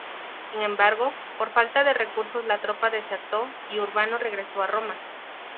Sin embargo, por falta de recursos la tropa desertó y Urbano regresó a Roma.